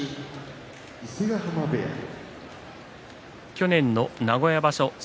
去年の名古屋場所